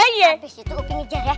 ayo kita bekerja ya